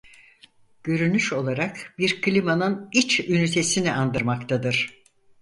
Görünüş olarak bir klimanın iç ünitesini andırmaktadır.